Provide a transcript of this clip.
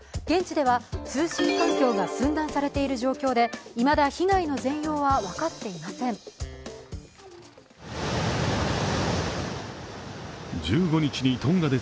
現地では通信環境が寸断されている状況でいまだ、被害の全容は分かっていません。